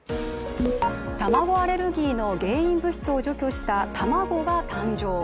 卵アレルギーの原因物質を除去した卵が誕生。